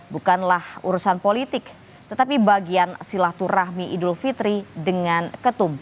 bukanlah urusan politik tetapi bagian silaturahmi idul fitri dengan ketum